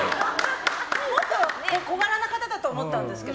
もっと小柄な方だと思ったんですけど。